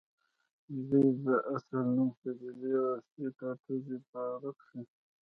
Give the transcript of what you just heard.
ددوي د اصل نوم، قبيلې او اصلي ټاټوبې باره کښې